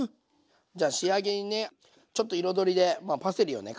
じゃあ仕上げにねちょっと彩りでパセリをね